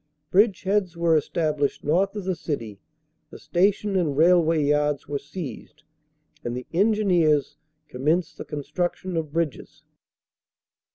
Bridgeheads were estab lished north of the city, the station and railway yards were seized, and the Engineers commenced the construction of bridges.